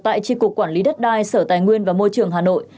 tại tri cục quản lý đất đai sở tài nguyên và môi trường hà nội